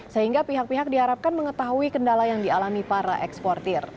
sehingga pihak pihak diharapkan mengetahui kendala yang dialami para eksportir